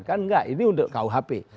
kan enggak ini untuk kuhp